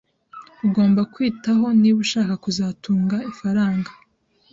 ugomba kwitaho niba ushaka kuzatunga ifaranga